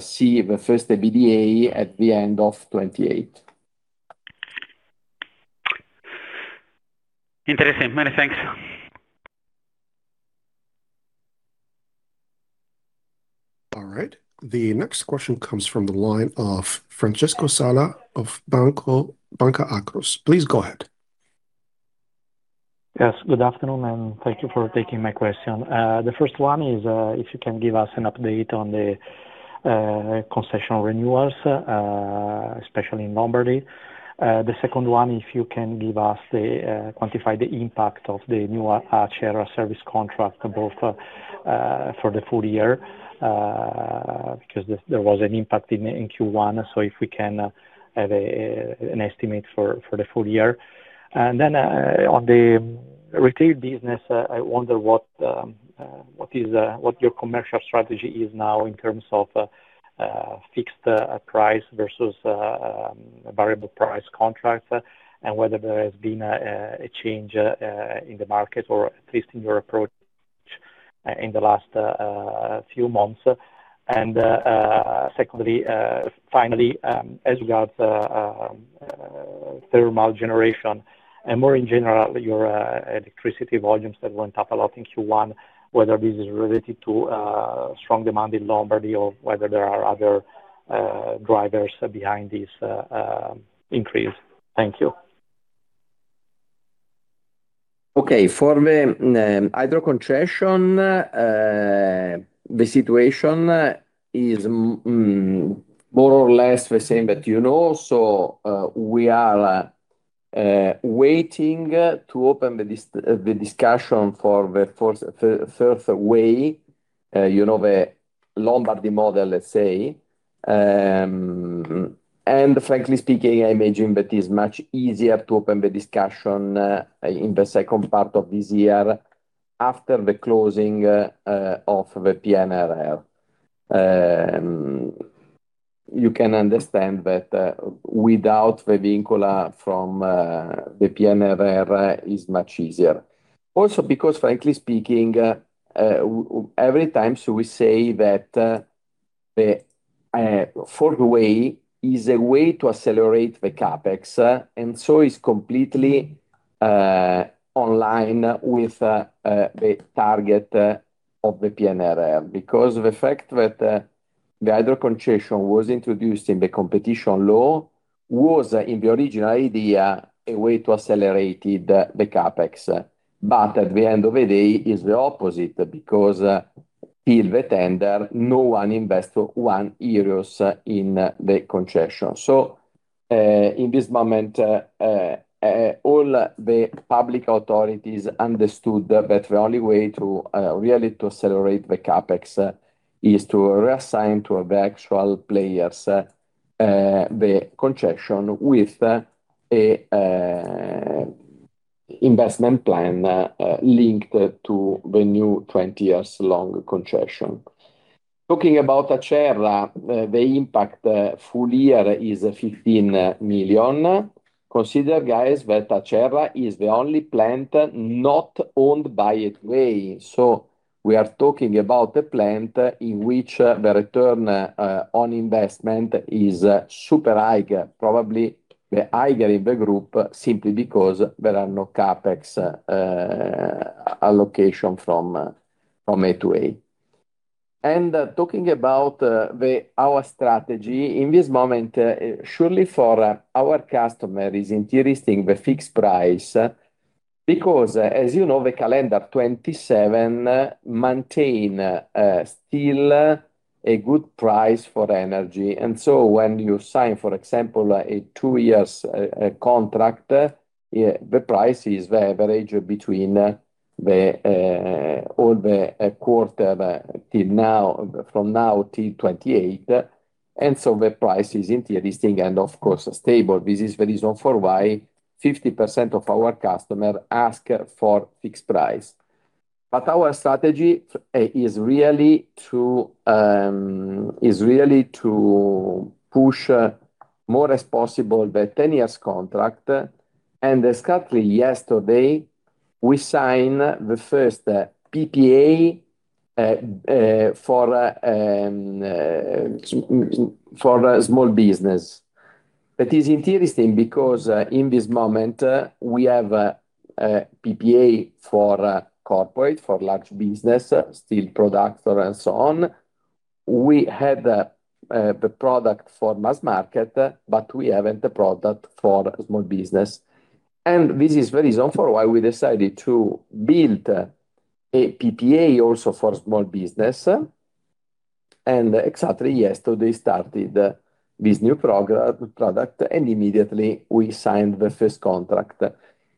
see the first EBITDA at the end of 2028. Interesting. Many thanks. All right. The next question comes from the line of Francesco Sala of Banca Akros. Please go ahead. Yes. Good afternoon, and thank you for taking my question. The first one is, if you can give us an update on the concessional renewals, especially in Lombardy. The second one, if you can give us the quantify the impact of the new Acerra service contract, both for the full year, because there was an impact in Q1. If we can have an estimate for the full year. On the retail business, I wonder what what is what your commercial strategy is now in terms of fixed price versus variable price contracts, and whether there has been a change in the market or at least in your approach in the last few months. Secondly, finally, as regards thermal generation and more in general, your electricity volumes that went up a lot in Q1, whether this is related to strong demand in Lombardy or whether there are other drivers behind this increase. Thank you. Okay. For the hydro concession, the situation is more or less the same that you know. We are waiting to open the discussion for the fourth, third way, you know, the Lombardy model, let's say. Frankly speaking, I imagine that is much easier to open the discussion in the second part of this year after the closing of the PNRR. You can understand that without the vincula from the PNRR is much easier. Also, because frankly speaking, every time we say that the fourth way is a way to accelerate the CapEx, it's completely online with the target of the PNRR. The fact that the hydro concession was introduced in the competition law was, in the original idea, a way to accelerated the CapEx. At the end of the day, it's the opposite because till the tender, no one invest 1 in the concession. In this moment, all the public authorities understood that the only way to really to accelerate the CapEx is to reassign to the actual players the concession with an investment plan linked to the new 20 years long concession. Talking about Acerra, the impact full year is 15 million. Consider, guys, that Acerra is the only plant not owned by A2A. We are talking about the plant in which the return on investment is super high, probably the higher in the group, simply because there are no CapEx allocation from A2A. Talking about the, our strategy, in this moment, surely for our customer is interesting the fixed price because, as you know, the calendar 2027 maintain still a good price for energy. When you sign, for example, a two years contract, yeah, the price is the average between the all the quarter till now, from now till 2028. The price is interesting and of course stable. This is the reason for why 50% of our customer ask for fixed price. Our strategy is really to push more as possible the 10 years contract. Exactly yesterday we sign the first PPA for a small business. That is interesting because in this moment we have a PPA for a corporate, for large business, steel product and so on. We had the product for mass market, we haven't a product for small business. This is the reason for why we decided to build a PPA also for small business. Exactly yesterday started this new product, and immediately we signed the first contract.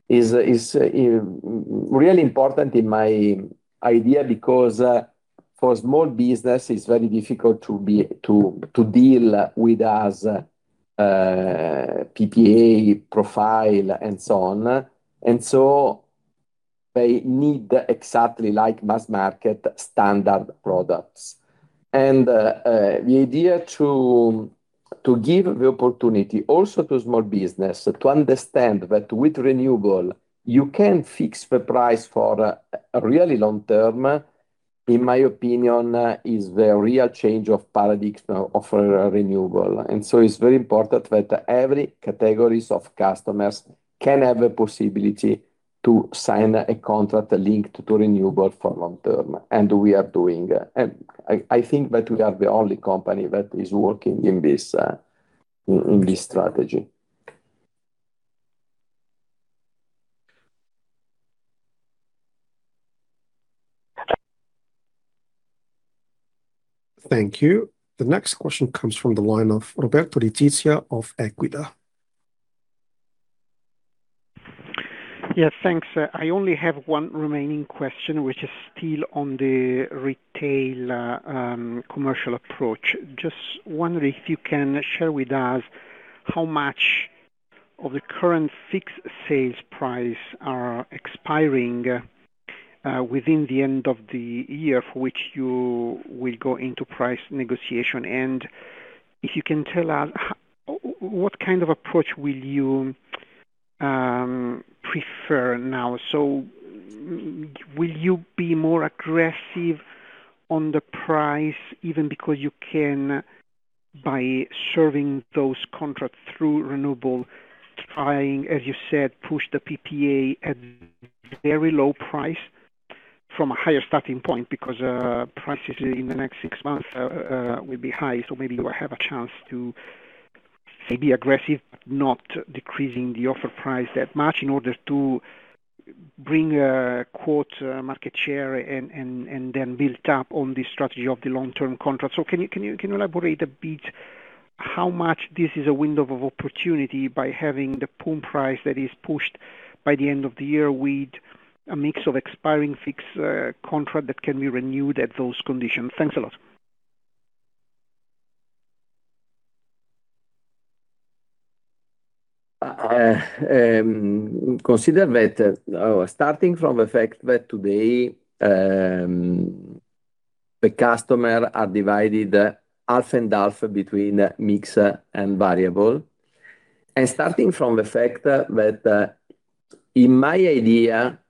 Is really important in my idea because for small business it's very difficult to be, to deal with as PPA profile and so on. They need exactly like mass market standard products. The idea to give the opportunity also to small business to understand that with renewable you can fix the price for a really long term, in my opinion, is the real change of paradigm of renewable. It's very important that every categories of customers can have a possibility to sign a contract linked to renewable for long term. We are doing. I think that we are the only company that is working in this strategy. Thank you. The next question comes from the line of Roberto Letizia of EQUITA. Thanks. I only have one remaining question, which is still on the retail commercial approach. Just wondering if you can share with us how much of the current fixed sales price are expiring within the end of the year for which you will go into price negotiation? If you can tell us what kind of approach will you prefer now? Will you be more aggressive on the price even because you can by serving those contracts through renewable, trying, as you said, push the PPA at very low price from a higher starting point because prices in the next six months will be high, so maybe you will have a chance to be aggressive, but not decreasing the offer price that much in order to bring a quarter market share and then build up on the strategy of the long-term contract. Can you elaborate a bit how much this is a window of opportunity by having the pool price that is pushed by the end of the year with a mix of expiring fixed contract that can be renewed at those conditions? Thanks a lot. Consider that, starting from the fact that today, the customer are divided half and half between mix and variable. Starting from the fact that, in my idea,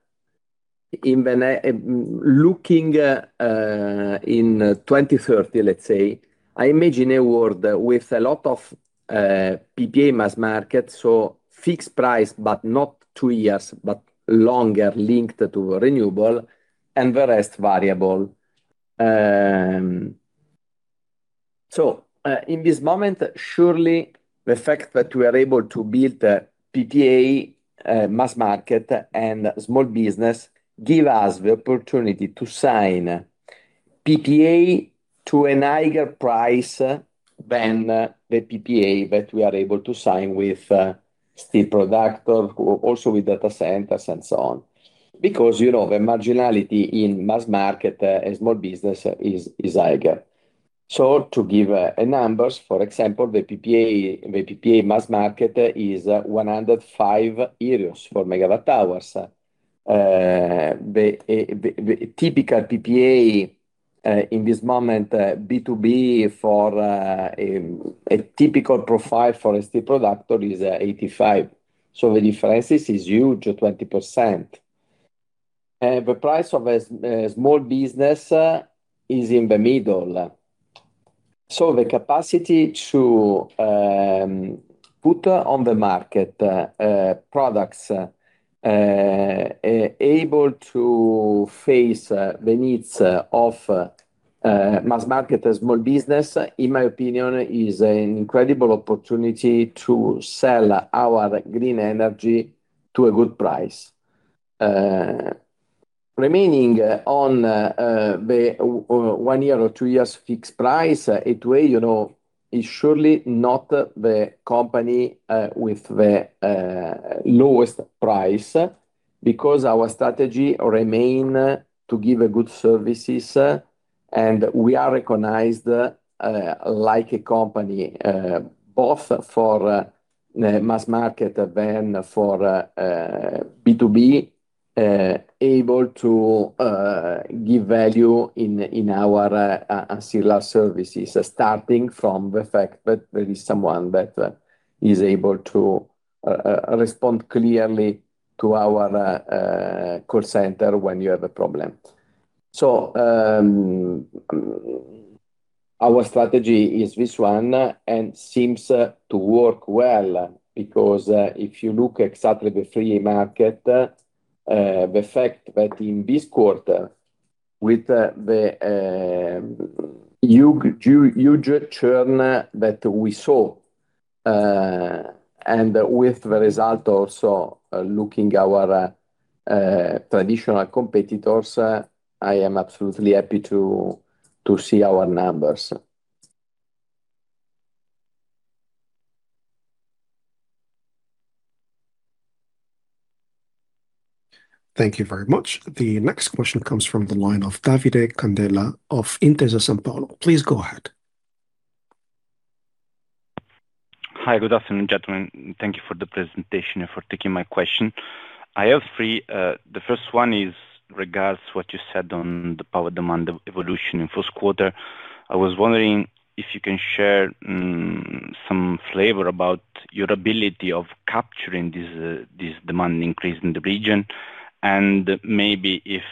even I looking, in 2030, let's say, I imagine a world with a lot of PPA mass market, so fixed price, but not two years, but longer linked to renewable and the rest variable. In this moment, surely the fact that we are able to build a PPA mass market and small business give us the opportunity to sign PPA to a higher price than the PPA that we are able to sign with steel product or also with data centers and so on. Because, you know, the marginality in mass market and small business is higher. To give a numbers, for example, the PPA, the PPA mass market is 105 euros for MWh. The typical PPA in this moment, B2B for a typical profile for a steel product is 85. The differences is huge, 20%. The price of a small business is in the middle. The capacity to put on the market products able to face the needs of mass market small business, in my opinion, is an incredible opportunity to sell our green energy to a good price. Remaining on the one year or two years fixed price, it will, you know, is surely not the company with the lowest price because our strategy remain to give a good services. We are recognized like a company, both for mass market than for B2B, able to give value in our ancillary services, starting from the fact that there is someone that is able to respond clearly to our call center when you have a problem. Our strategy is this one, and seems to work well because if you look exactly the free market, the fact that in this quarter with the huge, huge churn that we saw, and with the result also looking our traditional competitors, I am absolutely happy to see our numbers. Thank you very much. The next question comes from the line of Davide Candela of Intesa Sanpaolo. Please go ahead. Hi. Good afternoon, gentlemen. Thank you for the presentation and for taking my question. I have three. The first one is regards what you said on the power demand evolution in first quarter. I was wondering if you can share some flavor about your ability of capturing this demand increase in the region, and maybe if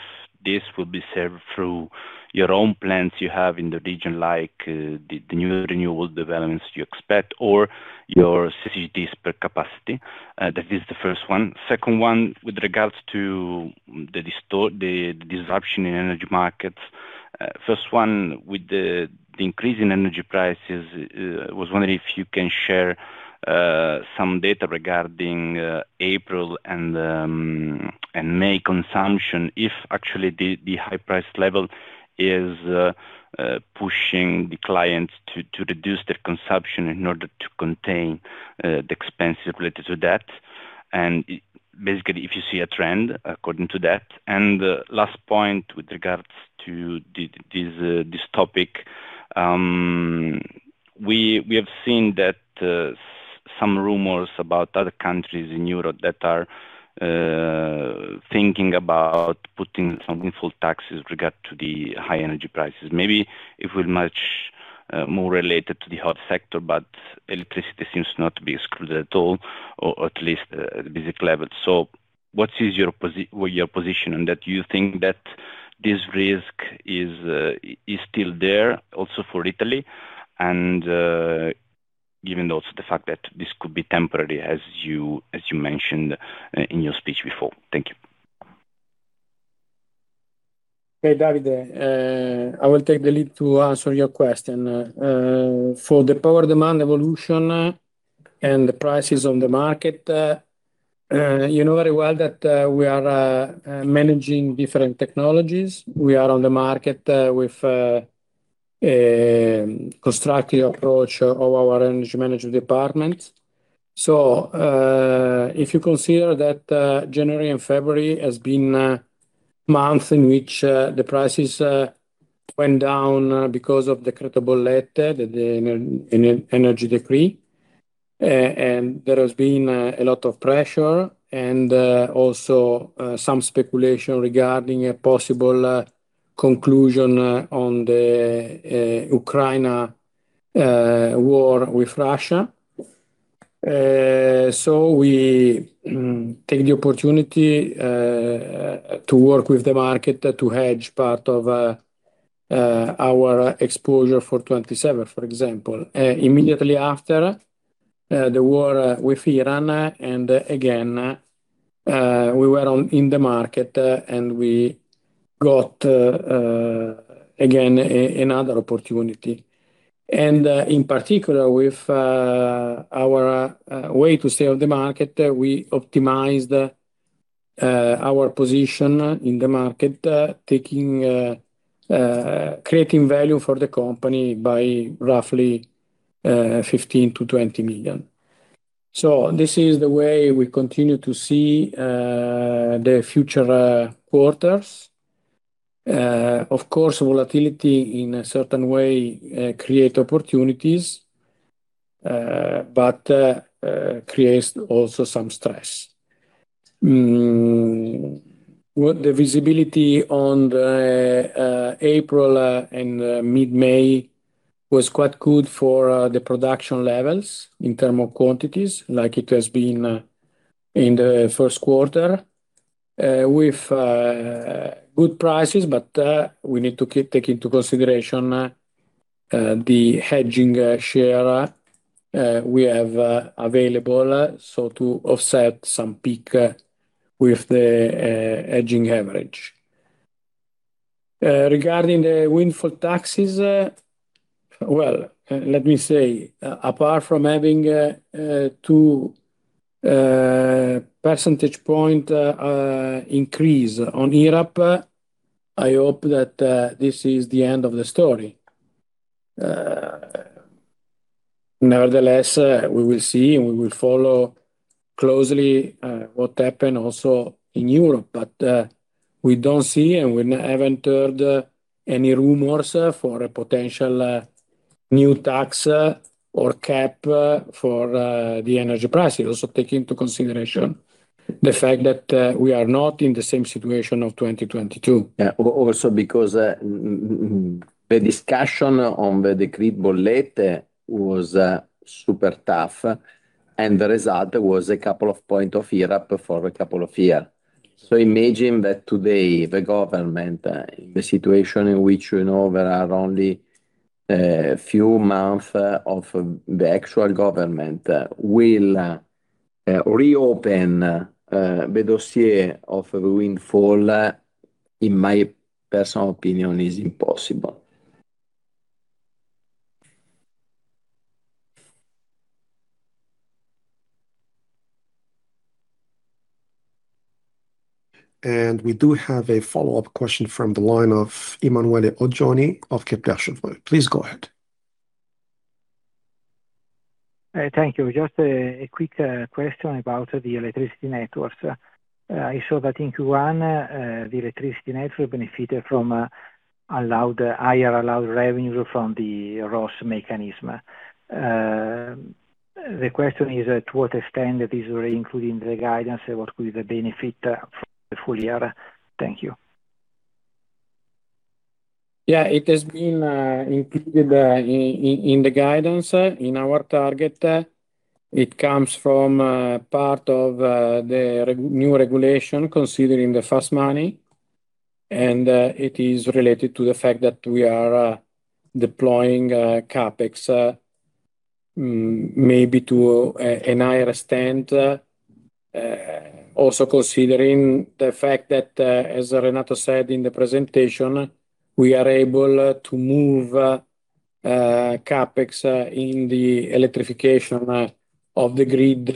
this will be served through your own plans you have in the region, like the new renewable developments you expect or your CCGTs per capacity. That is the first one. Second one, with regards to the disruption in energy markets. First one, with the increase in energy prices, was wondering if you can share some data regarding April and May consumption, if actually the high price level is pushing the clients to reduce their consumption in order to contain the expenses related to that. Basically, if you see a trend according to that. Last point with regards to this topic, we have seen that some rumors about other countries in Europe that are thinking about putting some windfall taxes regard to the high energy prices. Maybe it will much more related to the whole sector, but electricity seems not to be excluded at all, or at least at the basic level. What is your position on that? Do you think that this risk is still there also for Italy and given also the fact that this could be temporary, as you mentioned in your speech before? Thank you. Hey, Davide, I will take the lead to answer your question. For the power demand evolution and the prices on the market, you know very well that we are managing different technologies. We are on the market with a constructive approach of our energy management department. If you consider that January and February has been months in which the prices went down because of the Decreto Bollette, the energy decree. And there has been a lot of pressure and also some speculation regarding a possible conclusion on the Ukraine war with Russia. We take the opportunity to work with the market to hedge part of our exposure for 2027, for example. Immediately after the war with Iran, again, we were on, in the market, and we got another opportunity. In particular, with our way to sell the market, we optimized our position in the market, taking, creating value for the company by roughly 15 million-20 million. This is the way we continue to see the future quarters. Of course, volatility in a certain way, create opportunities, but creates also some stress. The visibility on the April and mid-May was quite good for the production levels in terms of quantities, like it has been in the first quarter. With good prices, we need to take into consideration the hedging share we have available, so to offset some peak with the hedging average. Regarding the windfall taxes, well, let me say, apart from having a 2 percentage point increase on IRAP, I hope that this is the end of the story. Nevertheless, we will see and we will follow closely what happened also in Europe. We don't see and we haven't heard any rumors for a potential new tax or cap for the energy prices. Take into consideration the fact that, we are not in the same situation of 2022. Yeah. Also because the discussion on the Decreto Bollette was super tough, and the result was a couple of point of IRAP for a couple of year. Imagine that today the government, the situation in which, you know, there are only few months of the actual government, will reopen the dossier of the windfall. In my personal opinion, is impossible. We do have a follow-up question from the line of Emanuele Oggioni of Kepler Cheuvreux. Please go ahead. Thank you. Just a quick question about the electricity networks. I saw that in Q1, the electricity network benefited from allowed, higher allowed revenue from the ROSS mechanism. The question is, to what extent that is already included in the guidance, and what will be the benefit for the full year? Thank you. Yeah. It has been included in the guidance in our target. It comes from part of the new regulation considering the fast money, and it is related to the fact that we are deploying CapEx maybe to a an higher extent. Also considering the fact that as Renato said in the presentation, we are able to move CapEx in the electrification of the grid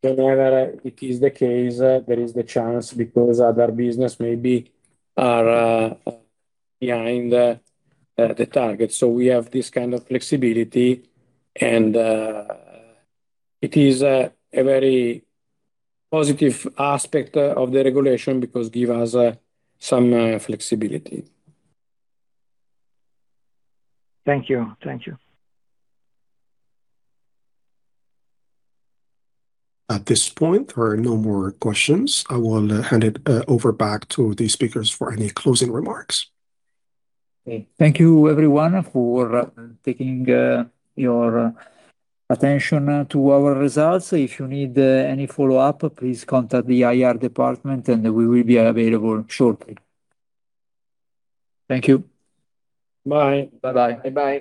whenever it is the case, there is the chance because other business maybe are behind the target. We have this kind of flexibility and it is a very positive aspect of the regulation because give us some flexibility. Thank you. Thank you. At this point, there are no more questions. I will hand it over back to the speakers for any closing remarks. Okay. Thank you everyone for taking your attention to our results. If you need any follow-up, please contact the IR department and we will be available shortly. Thank you. Bye. Bye-bye. Bye-bye.